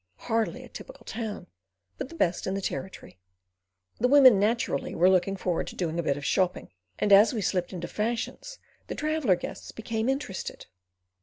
Hardly a typical town, but the best in the Territory. The women, naturally, were looking forward to doing a bit of shopping, and as we slipped into fashions the traveller guests became interested.